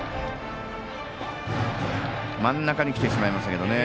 真ん中にきてしまいましたけどね。